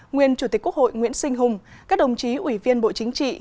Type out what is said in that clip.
nguyên chủ tịch quốc hội nguyễn sinh hùng các đồng chí ủy viên bộ chính trị